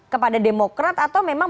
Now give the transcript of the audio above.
kepada demokrat atau memang